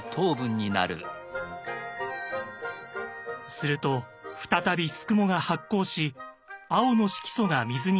すると再びすくもが発酵し青の色素が水に溶け出します。